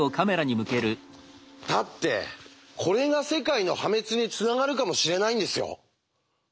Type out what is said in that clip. だってこれが世界の破滅につながるかもしれないんですよ？